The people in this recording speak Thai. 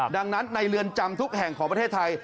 ดังนั้นในเรือนจำทุกแห่งของประเทศไทย